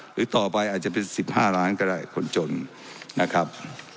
หรือต่อไปอาจจะเป็น๑๕ล้านก็ได้คนจนนะครับ